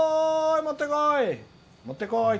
もってこい！」。